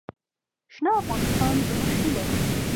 شنه افغانستان زموږ هیله ده.